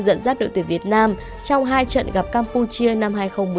dẫn dắt đội tuyển việt nam trong hai trận gặp campuchia năm hai nghìn một mươi tám